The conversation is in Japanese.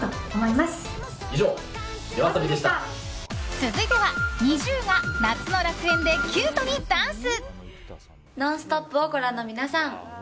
続いては、ＮｉｚｉＵが夏の楽園でキュートにダンス。